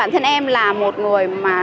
ăn sô cô la nhé